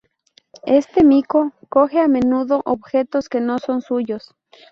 Este mico coge a menudo objetos que no son suyos.